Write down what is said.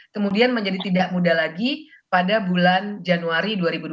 kemudian menjadi tidak muda lagi pada bulan januari dua ribu dua puluh